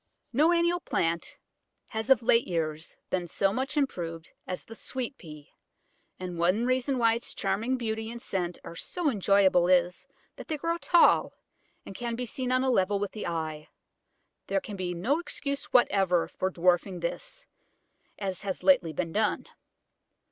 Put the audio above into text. No annual plant has of late years been so much improved as the Sweet Pea, and one reason why its charming beauty and scent are so enjoyable is, that they grow tall, and can be seen on a level with the eye. There can be no excuse whatever for dwarfing this, as has lately been done.